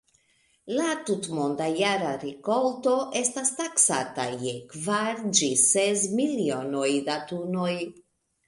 La tutmonda jara rikolto estas taksata je kvar ĝis ses milionoj da tunoj.